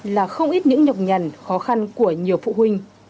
là không ít những nhọc nhằn khó khăn của nhiều phụ huynh